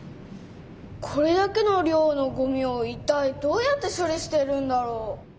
これだけの量のごみをいったいどうやって処理してるんだろう？